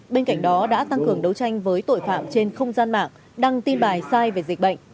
bên cạnh đó đã tăng cường đấu tranh với tội phạm trên không gian mạng đăng tin bài sai về dịch bệnh